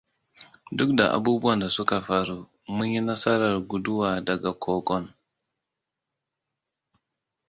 Duk da abubuwan da suka faru, mun yi nasarar guduwa daga kogon.